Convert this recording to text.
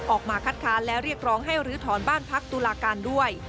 ออกมาคัดค้านและเรียกร้องให้ลื้อถอนบ้านพักตุลาการด้วย